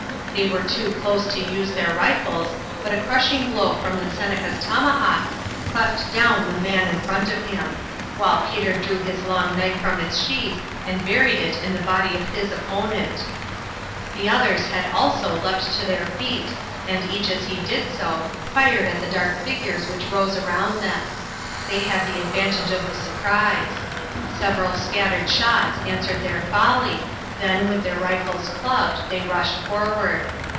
They were too close to use their rifles, but a crushing blow from the Seneca's tomahawk cleft down the man in front of him, while Peter drew his long knife from its sheath and buried it in the body of his opponent. The others had also leaped to their feet, and each, as he did so, fired at the dark figures which rose around them. They had the advantage of the surprise; several scattered shots answered their volley, then, with their rifles clubbed, they rushed forward.